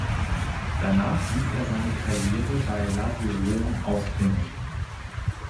Danach ließ er seine Karriere bei Lazio Rom ausklingen.